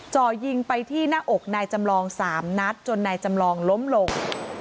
จ่อยิงไปที่หน้าอกนายจำลอง๓นัดจนนายจำลองล้มลง